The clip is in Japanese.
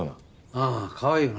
ああかわいいよな。